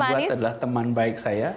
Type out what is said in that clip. yang membuat adalah teman baik saya